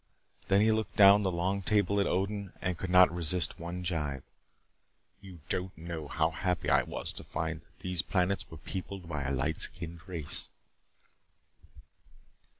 Then he looked down the long table at Odin and could not resist one gibe. "You don't know how happy I was to find that these planets were peopled by a light skinned race."